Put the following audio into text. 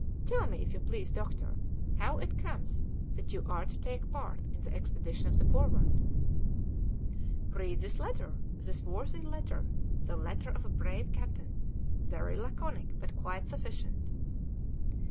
Tell me, if you please, doctor, how it comes that you are to take part in the expedition of the Forward." "Read this letter, this worthy letter, the letter of a brave captain very laconic, but quite sufficient."